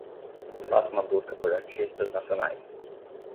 Faça uma busca por artistas nacionais.